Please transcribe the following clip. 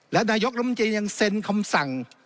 และนายกรมจีนยังเซ็นคำสั่ง